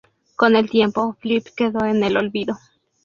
Con el tiempo, Flip quedó en el olvido.